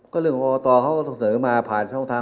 เพื่อทำถามกรอกฏอทัน